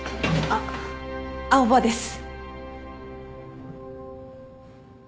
あっ青羽です。